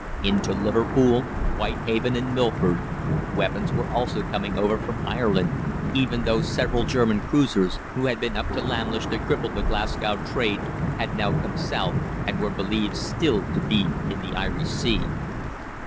Into Liverpool, Whitehaven, and Milford weapons were also coming over from Ireland, even though several German cruisers, who had been up to Lamlash to cripple the Glasgow trade, had now come south, and were believed still to be in the Irish Sea.